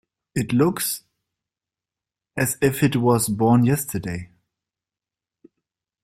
It looks as if it was born yesterday.